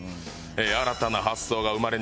新たな発想が生まれにくい。